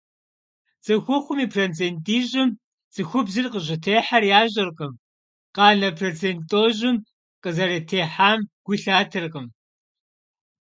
Цӏыхухъум и процент ищӏым цӏыхубзыр къыщӏытехьар ящӏэркъым, къэна процент тӏощӏым къызэрытехьам гу лъатэркъым.